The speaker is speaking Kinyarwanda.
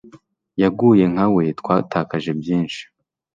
Yaguye nkawe twatakaje byinshi